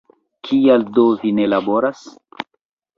Kial do vi ne laboras?